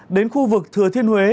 đến khu vực thừa thiên huế